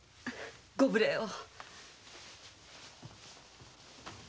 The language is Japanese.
ご無礼を。